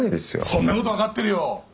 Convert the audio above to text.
そんなこと分かってるよ！